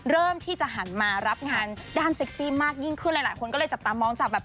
เริ่มที่จะหันมารับงานด้านเซ็กซี่มากยิ่งขึ้นหลายคนก็เลยจับตามองจากแบบ